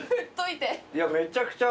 めちゃくちゃ。